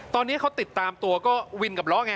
ตอนนี้เขาติดตามตัวก็วินกับล้อไง